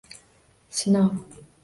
Sinov